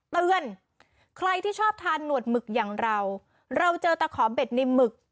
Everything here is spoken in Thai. เตือนใครที่ชอบทานหนวดหมึกอย่างเราเราเจอตะขอเบ็ดในหมึก